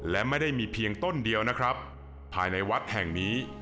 และไม่ได้มีเพียงต้นเดียวนะครับภายในวัดแห่งนี้